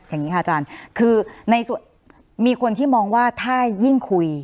อย่างนี้ค่ะอาจารย์คือในส่วนมีคนที่มองว่าถ้ายิ่งคุย